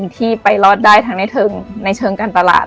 ที่ไปรอดได้ทั้งในเชิงการตลาด